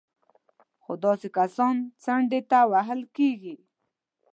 خو داسې کسان څنډې ته وهل کېږي